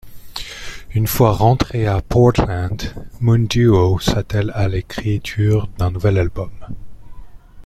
Une fois rentré à Portland, Moon Duo s'attèle à l'écriture d'un nouvel album.